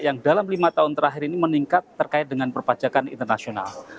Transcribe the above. yang dalam lima tahun terakhir ini meningkat terkait dengan perpajakan internasional